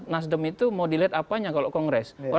nasdem itu mau dilihat apanya kalau kongres